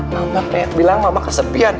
mama pengen bilang mama kesepian